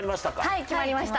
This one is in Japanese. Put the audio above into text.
はい決まりました。